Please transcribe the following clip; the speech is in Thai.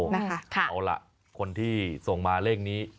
เอาล่ะคนที่ส่งมาเลขนี้